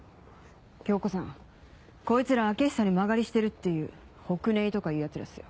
京子さんこいつら開久に間借りしてるっていう北根壊とかいうヤツらっすよ